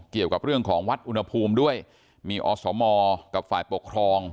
เกี่ยวกับเรื่องของวัดอุณหภูมิด้วยมีอสมกับฝ่ายปกครอง